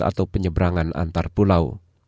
atau penyeberangan antar pulau